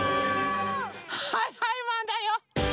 はいはいマンだよ。